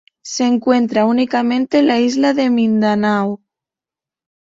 Se encuentra únicamente en la isla de Mindanao.